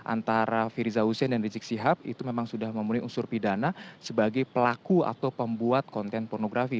antara firza hussein dan rizik sihab itu memang sudah memenuhi unsur pidana sebagai pelaku atau pembuat konten pornografi